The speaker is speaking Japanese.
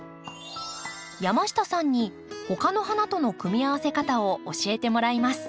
山下さんに他の花との組み合わせ方を教えてもらいます。